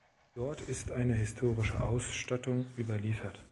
Dort ist eine historische Ausstattung überliefert.